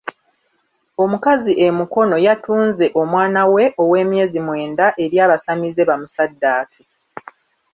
Omukazi e Mukono yatunze omwana we ow'emyezi mwenda eri abasamize bamusaddaake.